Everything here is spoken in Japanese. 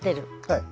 はい。